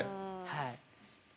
はい。